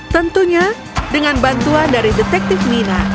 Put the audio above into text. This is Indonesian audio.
tentunya dengan bantuan dari detektif mina